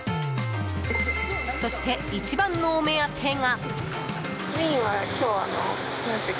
そして一番のお目当てが。